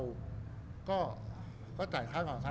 รูปนั้นผมก็เป็นคนถ่ายเองเคลียร์กับเรา